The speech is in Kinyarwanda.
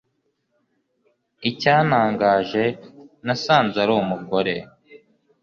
icyantangaje nasanze ari umugore